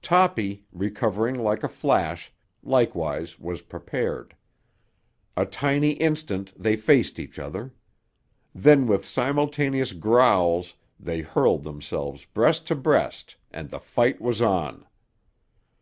Toppy, recovering like a flash, likewise was prepared. A tiny instant they faced each other. Then with simultaneous growls they hurled themselves breast to breast and the fight was on.